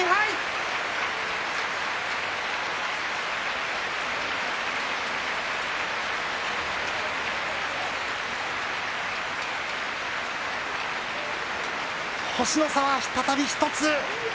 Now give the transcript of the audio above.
拍手星の差、再び１つ。